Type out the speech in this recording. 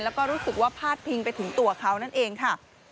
แล้วก็รู้สึกว่าพาดพิงไปถึงตัวเขานั่นเองค่ะ